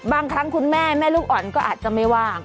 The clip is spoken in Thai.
บางครั้งคุณแม่แม่ลูกอ่อนก็อาจจะไม่ว่าง